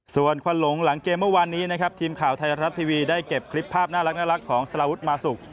ส่วนควันหลงหลังเกมเมื่อวานนี้นะครับทีมข่าวไทยรัฐทีวีได้เก็บคลิปภาพน่ารักของสารวุฒิมาสุก